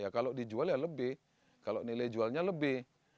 kalau dijual ya lebih kalau nilai jualnya lebih